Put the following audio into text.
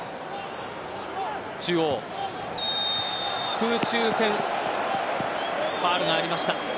空中戦、ファウルがありました。